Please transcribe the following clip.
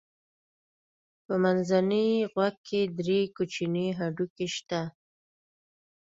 په منځني غوږ کې درې کوچني هډوکي شته.